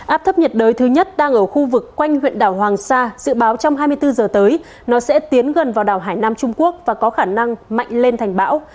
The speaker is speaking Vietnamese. áp thấp nhiệt đới thứ nhất đang ở khu vực quanh huyện đảo hoàng sa dự báo trong hai mươi bốn giờ tới nó sẽ tiến gần vào đảo hải nam trung quốc và có khả năng mạnh lên thành bão